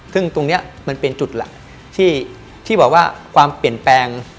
ซึ่งตรงนี้มันเป็นจุดหลักที่บอกว่าความเปลี่ยนแปลง